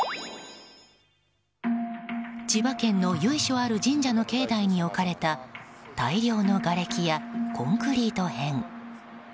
千葉県の由緒ある神社の境内に置かれた大量のがれきやコンクリート片。